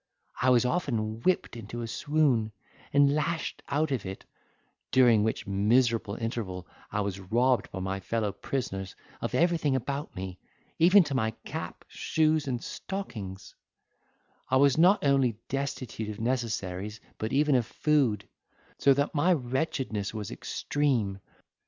I was often whipped into a swoon, and lashed out of it (during which miserable interval, I was robbed by my fellow prisoners of everything about me, even to my cap, shoes, and stockings): I was not only destitute of necessaries, but even of food, so that my wretchedness was extreme.